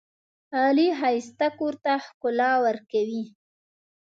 غالۍ ښایسته کور ته ښکلا ورکوي.